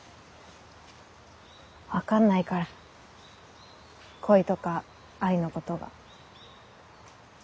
分かんないから恋とか愛のことが。